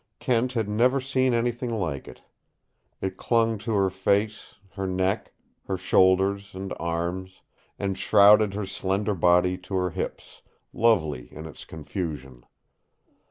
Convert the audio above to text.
Kent had never seen anything like it. It clung to her face, her neck, her shoulders and arms, and shrouded her slender body to her hips, lovely in its confusion.